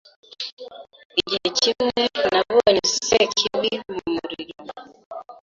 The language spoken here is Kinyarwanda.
Igihe kimwe nabonye Sekibi mu muriro